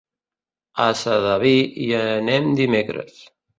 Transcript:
A Sedaví hi anem dimecres.